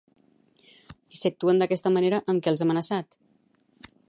I si actuen d'aquesta manera, amb què els ha amenaçat?